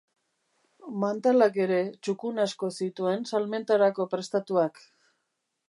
Mantalak ere txukun asko zituen salmentarako prestatuak.